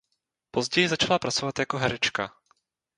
Později začala pracovat jako herečka.